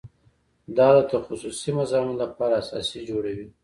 دا د تخصصي مضامینو لپاره اساس جوړوي.